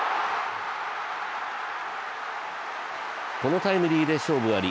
このタイムリーで勝負あり。